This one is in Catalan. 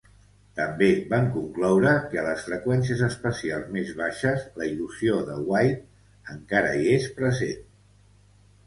També van concloure que a les freqüències espacials més baixes la il·lusió de White e ncara hi és present.